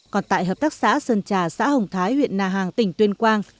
còn tại hợp tác xã sơn trà xã hồng thái huyện nà hàng tỉnh tuyên quang